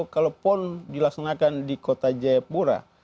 kalau pon dilaksanakan di kota jayapura